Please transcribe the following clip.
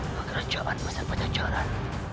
pekerjaan masyarakat jajaran